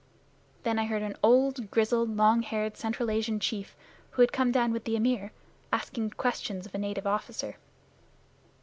Then I heard an old grizzled, long haired Central Asian chief, who had come down with the Amir, asking questions of a native officer.